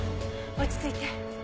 落ち着いて。